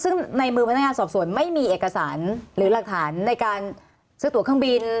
ซึ่งในมือพนักงานสอบสวนไม่มีเอกสารหรือหลักฐานในการซื้อตัวเครื่องบิน